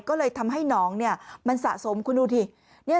ก็เลยทำให้หนองมันสะสมคุณดูดิ